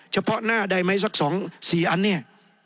เฉพาะหน้าได้ไหมสัก๒๔อันเนี่ย